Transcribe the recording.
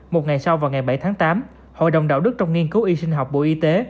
một ngày sau vào ngày bảy tháng tám hội đồng đạo đức trong nghiên cứu y sinh học bộ y tế